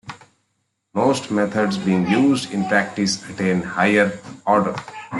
Most methods being used in practice attain higher order.